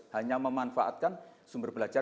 hanya memanfaatkan sumber belajar